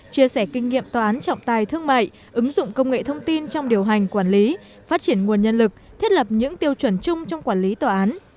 chia sẻ kinh nghiệm tòa án trọng tài thương mại ứng dụng công nghệ thông tin trong điều hành quản lý phát triển nguồn nhân lực thiết lập những tiêu chuẩn chung trong quản lý tòa án